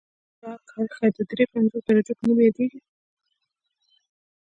دا کرښه د دري پنځوس درجو په نوم یادیږي